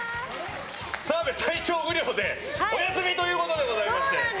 澤部、体調不良でお休みということでございまして。